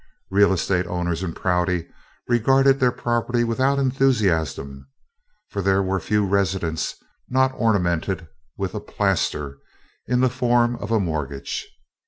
Real estate owners in Prouty regarded their property without enthusiasm, for there were few residences not ornamented with a "plaster" in the form of a mortgage.